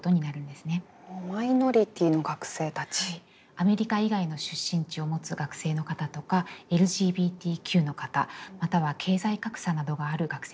アメリカ以外の出身地を持つ学生の方とかＬＧＢＴＱの方または経済格差などがある学生たちです。